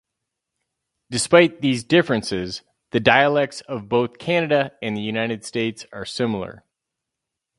Despite these differences, the dialects of both Canada and the United States are similar.